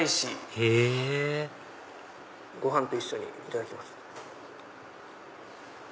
へぇご飯と一緒にいただきます。